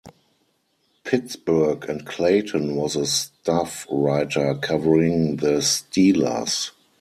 Pittsburgh and Clayton was a staff writer, covering the Steelers.